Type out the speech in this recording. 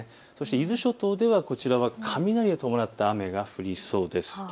そして伊豆諸島ではこちら雷を伴った雨が降りそうです。